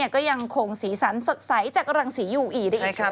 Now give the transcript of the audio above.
ก็ยังคงสีสันสดใสจากรังสียูอีได้อีกค่ะ